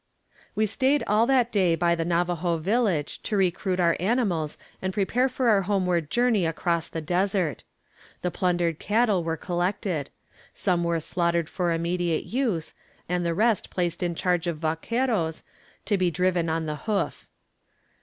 We stayed all that day by the Navajo village, to recruit our animals and prepare for our homeward journey across the desert. The plundered cattle were collected. Some were slaughtered for immediate use, and the rest placed in charge of vaqueros, to be driven on the hoof.